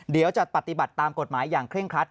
เดี๋ยวจะปฏิบัติตามกฎหมายอย่างเคร่งครัด